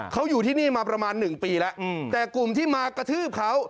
เขาอยู่ที่นี่มาประมาณหนึ่งปีแล้วแต่กลุ่มที่มากระทืบเขา